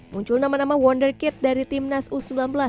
muncul nama nama wonderkid dari tim nasus sembilan belas